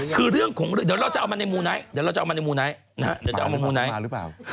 คือเรื่องของเดี๋ยวเราจะเอามาในมูลไนท์